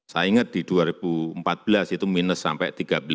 saya ingat di dua ribu empat belas itu minus sampai tiga belas lima puluh